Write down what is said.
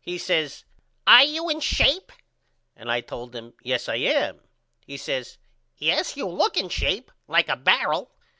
He says Are you in shape? And I told him Yes I am. He says Yes you look in shape like a barrel.